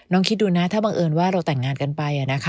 คิดดูนะถ้าบังเอิญว่าเราแต่งงานกันไป